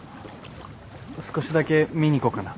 少しだけ見に行こうかな。